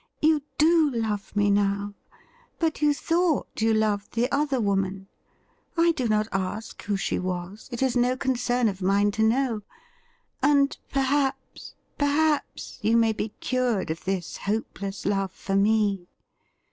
You do love me now; but you thought you loved the other woman. I do not ask who she was — it is no concern of mine to know ; and perhaps — ^perhaps you may be cured of this hopeless love for me.